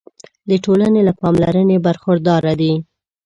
د ټولنې له پاملرنې برخورداره دي.